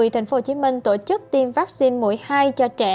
tp hcm tổ chức tiêm vaccine mũi hai cho trẻ